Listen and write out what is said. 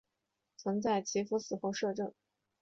曾在其夫死后摄政。